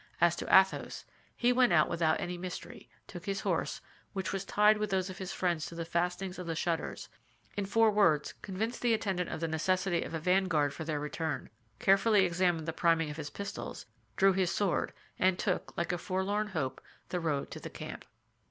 As to Athos, he went out without any mystery, took his horse, which was tied with those of his friends to the fastenings of the shutters, in four words convinced the attendant of the necessity of a vanguard for their return, carefully examined the priming of his pistols, drew his sword, and took, like a forlorn hope, the road to the camp.